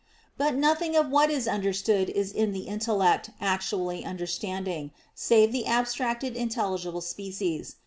But nothing of what is understood is in the intellect actually understanding, save the abstracted intelligible species.